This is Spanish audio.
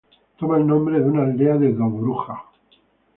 Toma el nombre de una aldea de Dobruja.